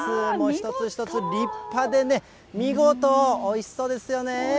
一つ一つ立派でね、見事、おいしそうですよね。